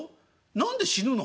何で死ぬの？